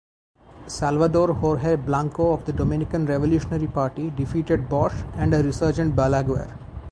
Salvador Jorge Blanco of the Dominican Revolutionary Party defeated Bosch and a resurgent Balaguer.